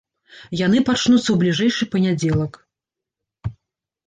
Яны пачнуцца ў бліжэйшы панядзелак.